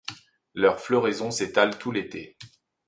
Leur floraison s'étale tout l'été.